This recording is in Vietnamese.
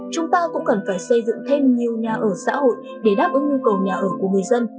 chúng ta cũng cần phải xây dựng thêm nhiều nhà ở xã hội để đáp ứng nhu cầu nhà ở của người dân